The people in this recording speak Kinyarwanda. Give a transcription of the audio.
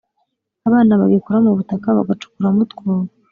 abana bagikora mu butaka bagacukuramo utwobo.